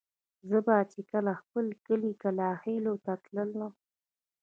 زه به چې کله خپل کلي کلاخېلو ته تللم.